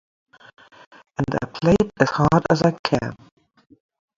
And I played as hard as I can.